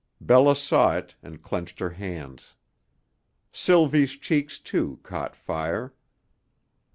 Bella saw it and clenched her hands. Sylvie's cheeks, too, caught fire.